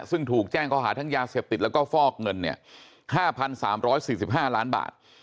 ซึ่งถูกแจ้งเขาหาทั้งยาเสพติดแล้วก็ฟอกเงินเนี่ยค่าพันสามร้อยสี่สิบห้าล้านบาท